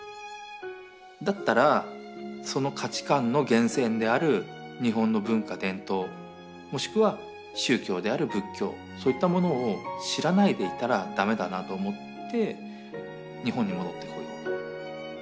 だったらその価値観の源泉である日本の文化伝統もしくは宗教である仏教そういったものを知らないでいたらダメだなと思って日本に戻ってこようと。